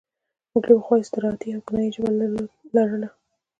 موږ له پخوا استعارتي او کنايي ژبه لاره.